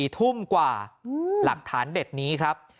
๔ทุ่มกว่าหลักฐานเด็ดนี้ครับ